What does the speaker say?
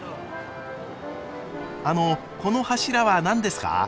あのこの柱は何ですか？